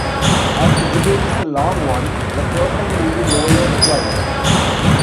As the debate is a long one, the curtain will be lowered twice.